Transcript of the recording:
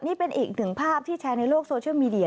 นี่เป็นอีกหนึ่งภาพที่แชร์ในโลกโซเชียลมีเดีย